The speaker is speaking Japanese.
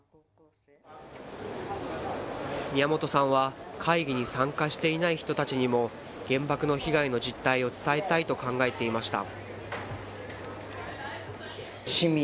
宮本さんは会議に参加していない人たちにも、原爆の被害の実態を伝えたいと考えていました。